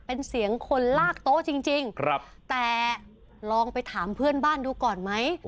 เป็นเสียงคนลากโต๊ะจริงแต่ลองไปถามเพื่อนบ้านดูก่อนไหม